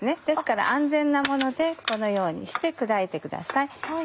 ですから安全なものでこのようにして砕いてください。